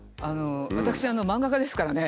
私漫画家ですからね。